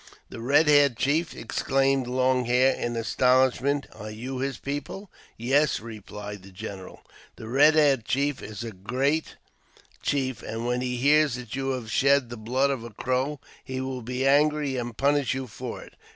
" The Eed haired Chief !" exclaimed Long Hair, in astonish ment ;" are you his people ?"" Yes," replied the general. " The Eed haired Chief is a great chief, and when he hears that you have shed the blood of a Crow, he will be angry, and punish you for it.